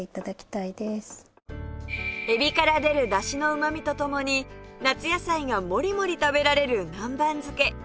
エビから出るだしのうまみと共に夏野菜がもりもり食べられる南蛮漬け